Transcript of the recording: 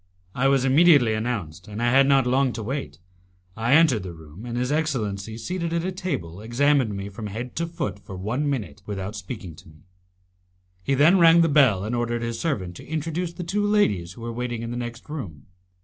I was immediately announced, and I had not long to wait. I entered the room, and his excellency, seated at a table, examined me from head to foot for one minute without speaking to me; he then rang the bell, and ordered his servant to introduce the two ladies who were waiting in the next room.